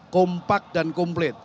kompak dan komplit